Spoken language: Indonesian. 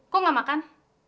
kok gak makan